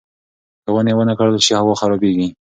که ونې ونه کرل شي، هوا خرابېږي.